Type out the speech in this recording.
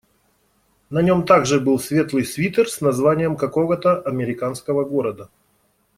На нём также был светлый свитер с названием какого-то американского города.